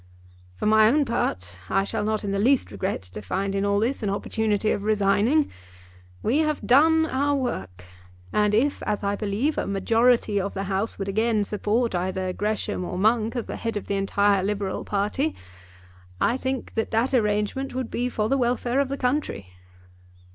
"For my own part I shall not in the least regret to find in all this an opportunity of resigning. We have done our work, and if, as I believe, a majority of the House would again support either Gresham or Monk as the head of the entire Liberal party, I think that that arrangement would be for the welfare of the country."